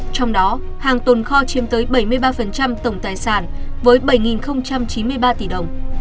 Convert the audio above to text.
trong đó hàng tồn kho chiếm tới bảy mươi ba tổng tài sản với bảy chín mươi ba tỷ đồng